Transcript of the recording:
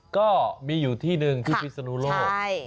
ก็มีอยู่ที่หนึ่งที่พิศนุโลก